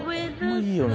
いいよね